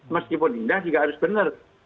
meskipun indah juga harus benar